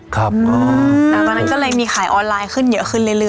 ตอนนั้นก็เลยมีขายออนไลน์ขึ้นเยอะขึ้นเรื่อย